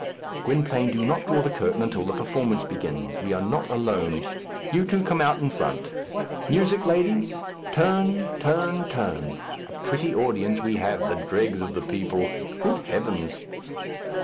"Gwynplaine, do not draw the curtain until the performance begins. We are not alone. You two come on in front. Music, ladies! turn, turn, turn. A pretty audience we have! the dregs of the people. Good heavens!"